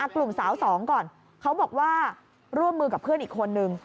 กลุ่มสาวสองก่อนเขาบอกว่าร่วมมือกับเพื่อนอีกคนนึง